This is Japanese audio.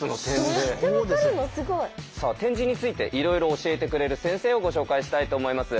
すごい。さあ点字についていろいろ教えてくれる先生をご紹介したいと思います。